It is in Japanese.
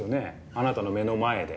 あなたの目の前で。